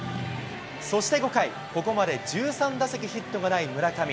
そして５回、ここまで１３打席ヒットがない村上。